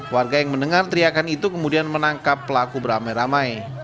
warga yang mendengar teriakan itu kemudian menangkap pelaku beramai ramai